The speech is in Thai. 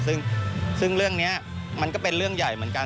ซึ่งเรื่องนี้มันก็เป็นเรื่องใหญ่เหมือนกัน